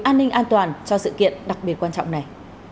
an ninh an toàn cho sự kiện đặc biệt quan trọng này